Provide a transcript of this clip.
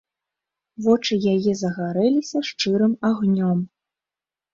Вочы яе загарэліся шчырым агнём.